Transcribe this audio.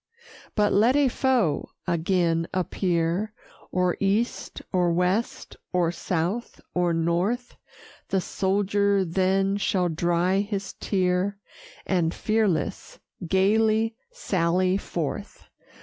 But let a foe again appear, Or east, or west, or south, or north; The soldier then shall dry his tear, And fearless, gayly sally forth.